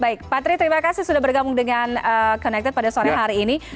baik pak tri terima kasih sudah bergabung dengan connected pada sore hari ini